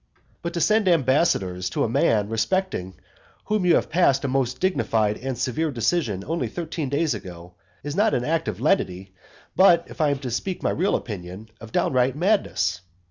II. But to send ambassadors to a man respecting whom you passed a most dignified and severe decision only thirteen days ago, is not an act of lenity, but, if I am to speak my real opinion, of downright madness.